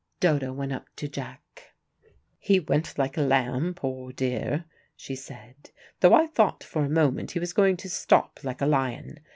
Dodo went up to Jack. "He went like a lamb, poor dear," she said, "though I thought for a moment he was going to stop like a lion.